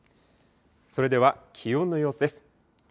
それでは、気温の様子です。